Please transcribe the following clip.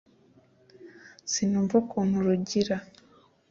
sinumbersmva ukuntu rugira